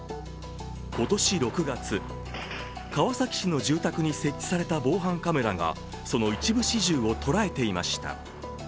今年６月、川崎市の住宅に設置された防犯カメラがその一部始終を捉えていました。